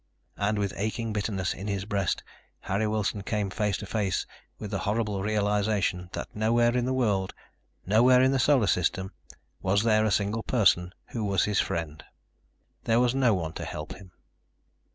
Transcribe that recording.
And with aching bitterness in his breast, Harry Wilson came face to face with the horrible realization that nowhere in the world, nowhere in the Solar System, was there a single person who was his friend. There was no one to help him.